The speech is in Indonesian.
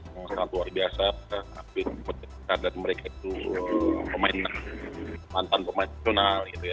yang sangat luar biasa coach victor dan mereka itu pemain mantan pemain regional gitu ya